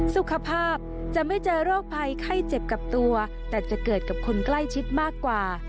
สุขภาพจะไม่เจอโรคภัยไข้เจ็บกับตัวแต่จะเกิดกับคนใกล้ชิดมากกว่า